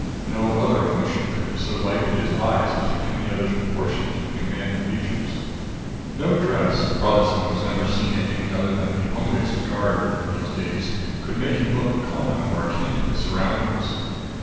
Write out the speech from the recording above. No other emotion would have so lighted his eye as he took in the others proportions and commanding features. No dress Brotherson was never seen in any other than the homeliest garb in these days could make him look common or akin to his surroundings.